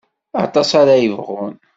Aṭas ara yebɣun.